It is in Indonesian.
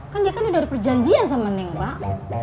kan dia kan udah ada perjanjian sama neng pak